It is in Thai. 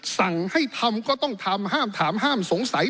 สั่งให้ทำก็ต้องทำห้ามถามห้ามสงสัย